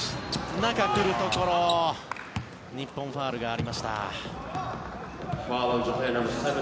中に来るところ日本、ファウルがありました。